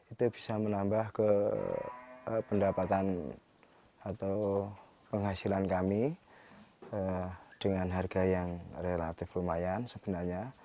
itu bisa menambah ke pendapatan atau penghasilan kami dengan harga yang relatif lumayan sebenarnya